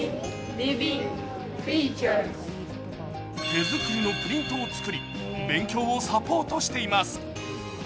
手作りのプリントを作り、勉強をサポートしています。